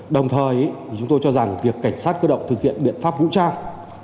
đồng thời chúng tôi cho rằng việc cảnh sát cơ động thực hiện biện pháp vũ trang